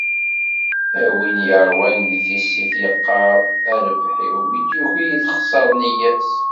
Am win yeṛwan di tissit yeqqar a rrebḥ-iw, mi d-yuki texṣer nniya-s.